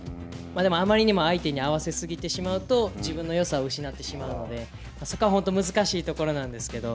でもあまりにも相手に合わせ過ぎてしまうと、自分のよさを失ってしまうので、そこは本当難しいところなんですけれども。